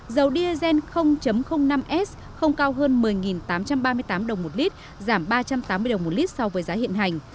dầu diesel năm s không cao hơn một mươi tám trăm ba mươi tám đồng một lít giảm ba trăm tám mươi đồng một lít so với giá hiện hành